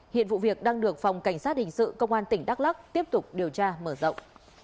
hiện vụ việc đang được phòng cảnh sát hình sự công an tp hcm tiếp tục điều tra mở rộng